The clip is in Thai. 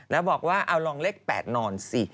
แล้วบอกว่าเอาลองเลข๘นอนสิ